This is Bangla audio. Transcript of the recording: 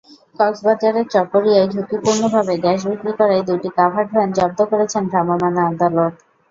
কক্সবাজারের চকরিয়ায় ঝুঁকিপূর্ণভাবে গ্যাস বিক্রি করায় দুটি কাভার্ড ভ্যান জব্দ করেছেন ভ্রাম্যমাণ আদালত।